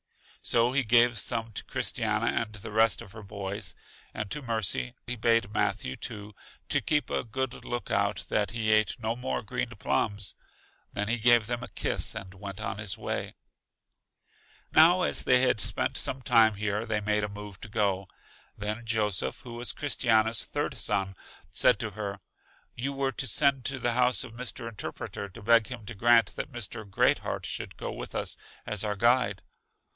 So he gave some to Christiana and the rest of her boys, and to Mercy; he bade Matthew, too, keep a good look out that he ate no more green plums; then he gave them a kiss, and went his way. Now, as they had spent some time here, they made a move to go. Then Joseph, who was Christiana's third, son, said to her: You were to send to the house of Mr. Interpreter to beg him to grant that Mr. Great heart should go with us as our guide.